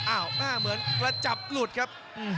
อาวไม่เหมือนกระจ่าบรูดครับ